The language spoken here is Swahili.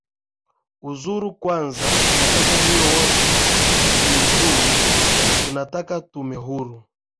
uzuru kwanza nataka hiyo wote ijiuzuru tunataka tume huru